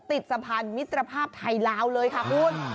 ติดสะพานมิตรภาพไทยลาวเลยค่ะคุณ